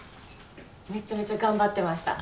めちゃめちゃ頑張ってました。